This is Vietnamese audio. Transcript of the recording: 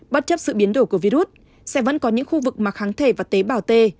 bất chấp sự biến đổi của virus sẽ vẫn có những khu vực mặc hắng thể và tế bảo t